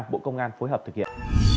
bộ công an phối hợp thực hiện